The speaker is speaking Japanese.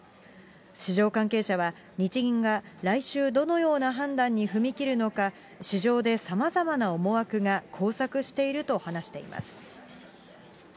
市場関係者は、日銀が来週、どのような判断に踏み切るのか、市場でさまざまな思惑が交錯していると話しています。